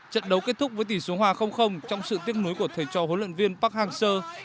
trận đấu kết thúc với tỷ số hòa trong sự tiếc núi của thầy trò huấn luyện viên park hang seo